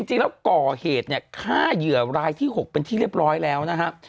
จริงแล้วก่อเหตุเนี่ยฆ่าเหยื่อรายที่๖เป็นที่เรียบร้อยแล้วนะครับ